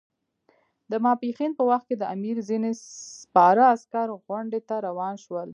د ماپښین په وخت کې د امیر ځینې سپاره عسکر غونډۍ ته روان شول.